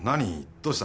どうした？